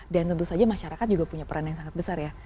dan tentu saja masyarakat juga punya peran yang sangat besar ya